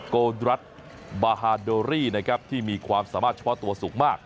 โกดรัสบาฮาโดรี่นะครับที่มีความสามารถเฉพาะตัวสูงมาก